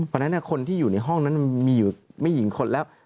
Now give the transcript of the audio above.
เพราะฉะนั้นคนที่อยู่ในห้องนั้นมันมีอยู่ไม่กี่คนแล้ว